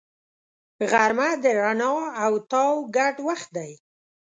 غرمه د رڼا او تاو ګډ وخت دی